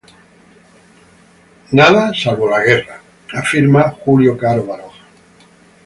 Nada, salvo la guerra", afirma Julio Caro Baroja.